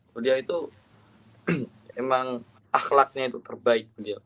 beliau itu emang akhlaknya itu terbaik beliau